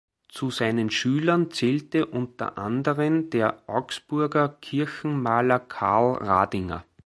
Zu seinen Schülern zählte unter anderen der Augsburger Kirchenmaler Karl Radinger.